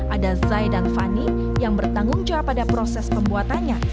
ada zai dan fani yang bertanggung jawab pada proses pembuatannya